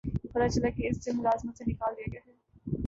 پتہ چلا کہ اسے ملازمت سے نکال دیا گیا ہے